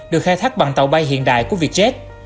được khai thác bằng tàu bay hiện đại của vietjet